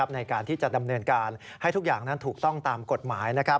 ในการที่จะดำเนินการให้ทุกอย่างนั้นถูกต้องตามกฎหมาย